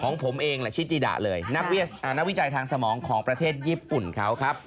ของผมเองล่ะชิจิดะเลยนักวิจัยทางสมองของประเทศญี่ปุ่นเขาครับ